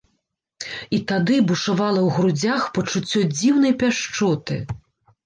І тады бушавала ў грудзях пачуццё дзіўнай пяшчоты.